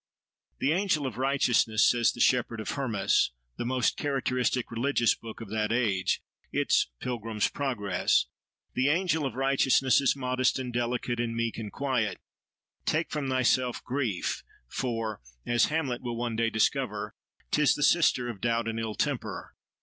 "The angel of righteousness," says the Shepherd of Hermas, the most characteristic religious book of that age, its Pilgrim's Progress—"the angel of righteousness is modest and delicate and meek and quiet. Take from thyself grief, for (as Hamlet will one day discover) 'tis the sister of doubt and ill temper.